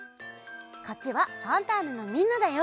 こっちは「ファンターネ！」のみんなだよ。